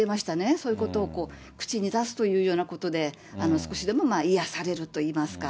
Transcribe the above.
そういうことをこう、口に出すというようなことで、少しでも癒やされるといいますか。